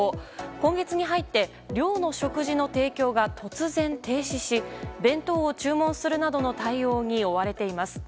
今月に入って寮の食事の提供が突然停止し弁当を注文するなどの対応に追われています。